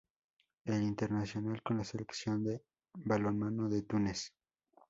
Es internacional con la Selección de balonmano de Túnez.